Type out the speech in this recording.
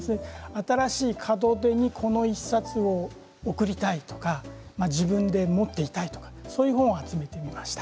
新しい門出にこの１冊を贈りたいとか自分で持っていたいとかそういう本を集めてみました。